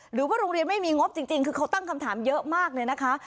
หรือว่าโรงเรียนไม่มีงบจริงคือเขาตั้งคำถามเยอะมากเลยนะคะ